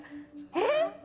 えっ⁉